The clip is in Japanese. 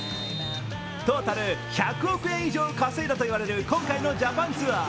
トータル１００億円以上稼いだと言われる今回のジャパンツアー。